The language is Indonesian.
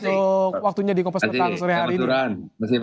untuk waktunya di kopas petang sore hari ini